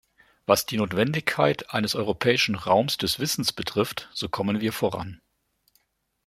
Was die Notwendigkeit eines europäischen Raums des Wissens betrifft, so kommen wir voran.